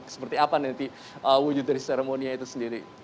seperti apa nanti wujud dari seremonia itu sendiri